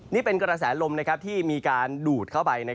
นี่เป็นกระแสลมที่มีการดูดเข้าไป